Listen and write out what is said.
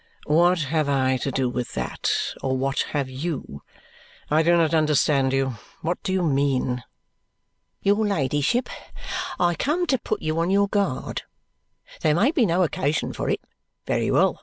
"What have I to do with that, or what have you? I do not understand you. What do you mean?" "Your ladyship, I come to put you on your guard. There may be no occasion for it. Very well.